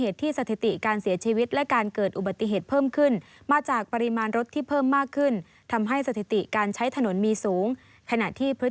ถ้าเรามองสถิติ